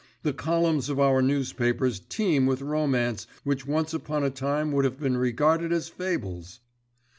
The columns of our newspapers teem with romance which once upon a time would have been regarded as fables."